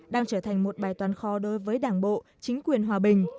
đang trở thành một bài toàn kho đối với đảng bộ chính quyền hòa bình